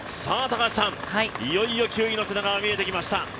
いよいよ９位の背中が見えてきました。